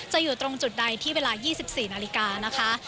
อยู่ตรงจุดใดที่เวลา๒๔นาฬิกานะคะ